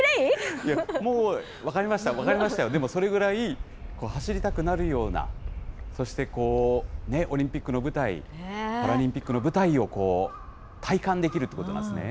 もう、分かりました、分かりましたよ、でも、それぐらい走りたくなるような、そしてオリンピックの舞台、パラリンピックの舞台を体感できるということなんですね。